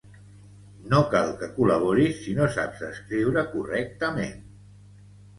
No cal que col•laboris si no saps escriure correctament